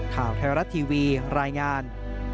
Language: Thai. ข่าวไทยรัฐทีวีรายงาน